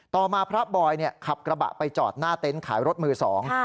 ต่อมาพระบอยขับกระบะไปจอดหน้าเต็นต์ขายรถมือสอง